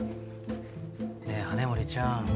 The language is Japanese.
ねえ羽森ちゃん。